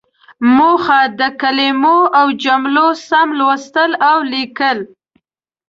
موخه: د کلمو او جملو سم لوستل او ليکل.